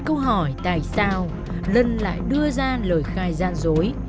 câu hỏi tại sao lân lại đưa ra lời khai gian dối